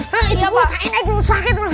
hah itu tak enak aku sakit